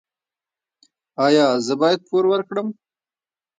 ایا زه باید پور ورکړم؟